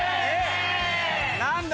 何だ？